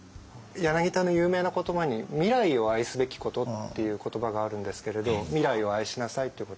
柳田の有名な言葉に「未来を愛すべきこと」っていう言葉があるんですけれど未来を愛しなさいってこと。